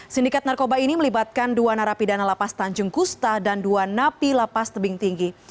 sindikat narkoba ini melibatkan dua narapidana lapas tanjung kusta dan dua napi lapas tebing tinggi